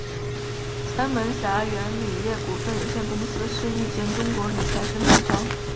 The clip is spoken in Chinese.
三门峡天元铝业股份有限公司是一间中国铝材生产商。